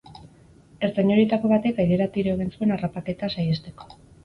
Ertzain horietako batek airera tiro egin zuen harrapaketa saihesteko.